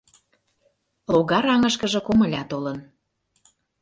Логар аҥышкыже комыля толын.